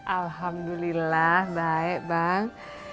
alhamdulillah baik bang